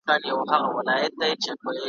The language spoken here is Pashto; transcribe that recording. ګاونډیان به هره شپه په واویلا وه ,